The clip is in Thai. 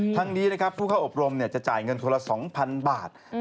ทั้งนี้ผู้เข้าอบรมจะจ่ายเงินตัวละ๒๐๐๐บาท